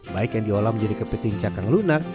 baik yang diolah menjadi kepiting cakang lunak